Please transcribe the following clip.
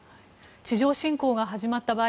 地上侵攻が始まった場合